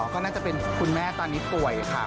ก็น่าจะเป็นคุณแม่ตอนนี้ป่วยค่ะ